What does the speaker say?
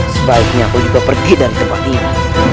sebaiknya aku juga pergi dari tempat ini